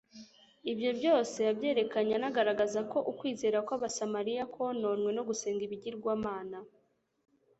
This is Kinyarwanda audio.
Ibyo byose yabyerekanye anagaragaza ko ukwizera kw'Abasamariya kononwe no gusenga ibigirwamana,